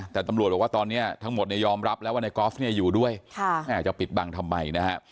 แต่ตำรวจบอกว่าตอนนี้ทั้งหมดเนี่ยยอมรับแล้วว่าในกอล์ฟเนี่ยอยู่ด้วยจะปิดบังทำไมนะฮะ